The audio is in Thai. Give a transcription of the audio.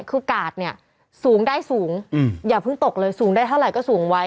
คือกาดเนี่ยสูงได้สูงอย่าเพิ่งตกเลยสูงได้เท่าไหร่ก็สูงไว้